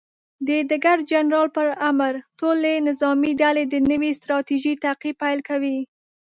د ډګر جنرال پر امر، ټولې نظامي ډلې د نوې ستراتیژۍ تعقیب پیل کوي.